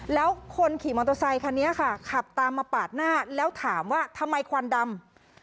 แล้วคนขี่มอเตอร์ไซคันนี้ค่ะขับตามมาปาดหน้าแล้วถามว่าทำไมควันดำ